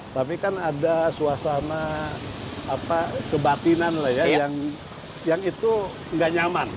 tapi kan ada suasana kebatinan lah ya yang itu nggak nyaman